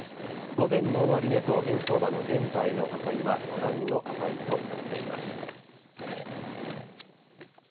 午前の終値と円相場の現在の値はご覧の値となっています。